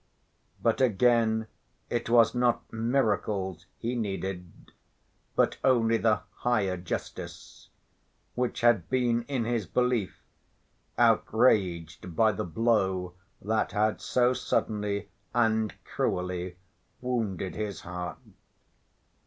But again it was not miracles he needed but only "the higher justice" which had been in his belief outraged by the blow that had so suddenly and cruelly wounded his heart.